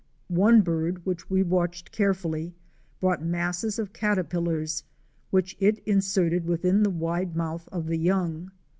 One bird which we watched carefully brought masses of caterpillars which it inserted within the wide mouth of the young.